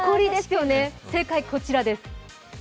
正解、こちらです。